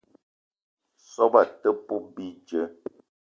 Soobo te poup bidjeu.